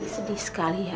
sedih sekali ya